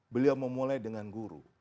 beliau memulai dengan guru